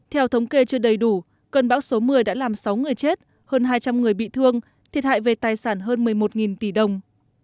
theo thống kê chưa đầy đủ cơn bão số một mươi đã làm sáu người chết hơn hai trăm linh người bị thương thiệt hại về tài sản hơn một mươi một tỷ đồng